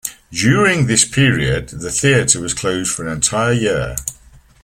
During this period, the theatre was closed for an entire year.